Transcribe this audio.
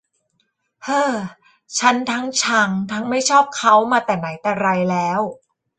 เฮ่อ ฉันทั้งชังทั้งไม่ชอบเขามาแต่ไหนแต่ไรแล้ว